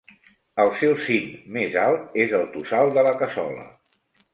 El seu cim més alt és el Tossal de la Cassola.